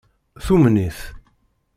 Tumen-it.